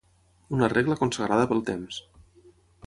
Una regla consagrada pel temps.